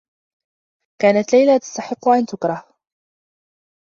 كانت ليلى تستحقّ أن تُكره.